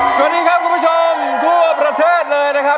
สวัสดีครับคุณผู้ชมทั่วประเทศเลยนะครับ